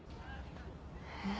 えっ？